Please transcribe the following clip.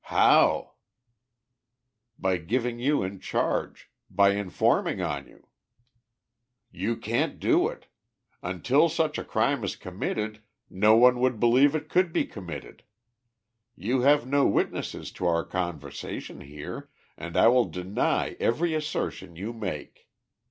"How?" "By giving you in charge. By informing on you." "You can't do it. Until such a crime is committed, no one would believe it could be committed. You have no witnesses to our conversation here, and I will deny every assertion you make.